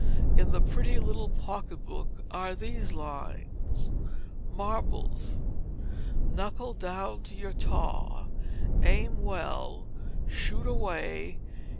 In The Pretty Little Pocket Book are these lines: "MARBLES "Knuckle down to your Taw. Aim well, shoot away.